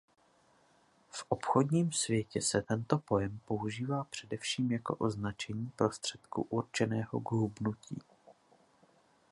V obchodním světě se tento pojem používá především jako označení prostředku určeného k hubnutí.